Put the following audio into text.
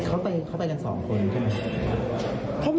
เขาไปกันสองคนใช่ไหม